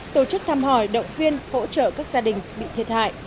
tổ chức thăm hỏi động viên hỗ trợ các gia đình bị thiệt hại